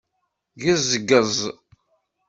Ggezgez.